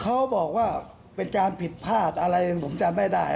เขาบอกว่าเป็นการผิดพลาดอะไรผมจำไม่ได้